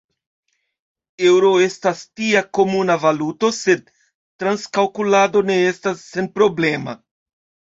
Eŭro estas tia komuna valuto, sed transkalkulado ne estas senproblema.